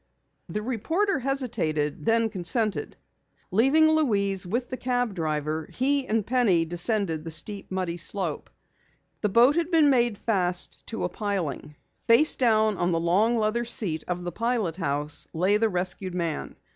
The reporter hesitated, then consented. Leaving Louise with the cab driver, he and Penny descended the steep, muddy slope. The boat had been made fast to a piling. Face downward on the long leather seat of the pilot house, lay the rescued man.